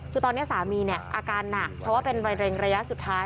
คือตอนนี้สามีเนี่ยอาการหนักเพราะว่าเป็นมะเร็งระยะสุดท้าย